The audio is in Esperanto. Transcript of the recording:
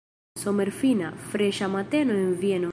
Somerfina, freŝa mateno en Vieno!